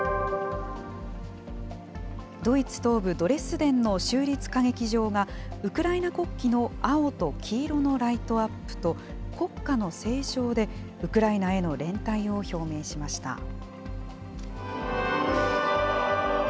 ドイツ東部ドレスデンの州立歌劇場が、ウクライナ国旗の青と黄色のライトアップと、国歌の斉唱で、ウクライナへの連帯を表明しました。